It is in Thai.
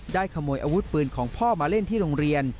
ขโมยอาวุธปืนของพ่อมาเล่นที่โรงเรียน